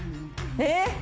えっ！